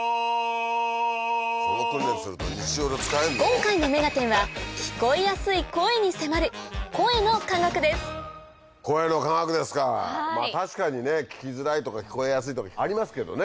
今回の『目がテン！』は聞こえやすい声に迫る声の科学ですかまぁ確かにね聞きづらいとか聞こえやすいとかありますけどね。